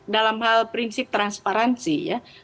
dalam hal prinsip transparansi ya